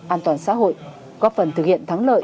an toàn xã hội góp phần thực hiện thắng lợi